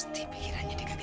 diri ke arah